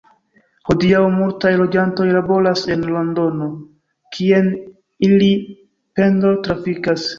Hodiaŭ multaj loĝantoj laboras en Londono, kien ili pendol-trafikas.